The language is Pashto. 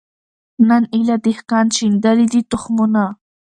نن ایله دهقان شیندلي دي تخمونه